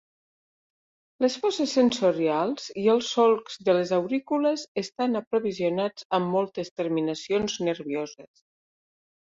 Les fosses sensorials i els solcs de les aurícules estan aprovisionats amb moltes terminacions nervioses.